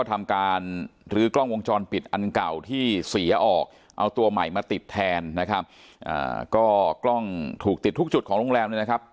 เพราะกล้องถูกติดทุกจุดของโรงแรมนะครับ